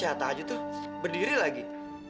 dia sehat sehat aja tuh berdiri lagi